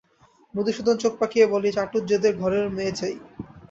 মধুসূদন চোখ পাকিয়ে বলে, ঐ চাটুজ্যেদের ঘরের মেয়ে চাই।